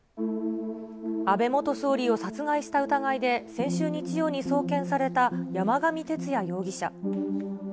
安倍元総理を殺害した疑いで、先週日曜に送検された山上徹也容疑者。